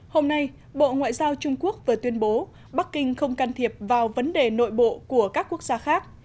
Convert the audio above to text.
hôm nay bộ ngoại giao trung quốc vừa tuyên bố bắc kinh không can thiệp vào vấn đề nội bộ của các quốc gia khác